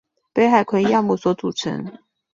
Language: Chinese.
本海葵亚目所组成。